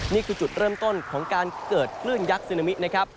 นี่คือจุดเริ่มต้นของการเกิดคลื่นยักษ์ซึนามินะครับ